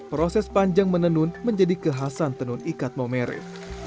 proses panjang menenun menjadi kekhasan tenun ikat momere